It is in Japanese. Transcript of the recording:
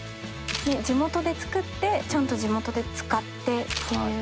地元で作ってちゃんと地元で使って。